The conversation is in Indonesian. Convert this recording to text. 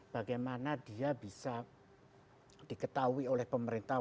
bagaimana dia bisa diketahui oleh pemerintah